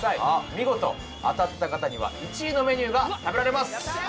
見事当たった方には１位のメニューが食べられます